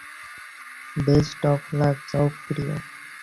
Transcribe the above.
Best of luck, যাও প্রিয়া।